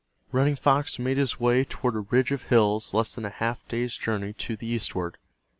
Running Fox made his way toward a ridge of hills less than a half day's journey to the eastward.